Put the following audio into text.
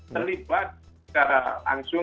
terlibat secara langsung